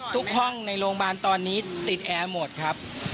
ห้องในโรงพยาบาลตอนนี้ติดแอร์หมดครับ